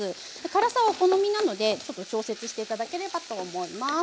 辛さはお好みなのでちょっと調節して頂ければと思います。